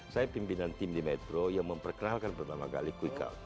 saya pimpinan tim di metro yang memperkenalkan pertama kali quick count